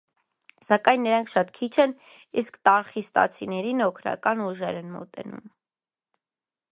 Սակայն նրանք շատ քիչ են, իսկ տարխիստանցիներին օգնական ուժեր են մոտենում։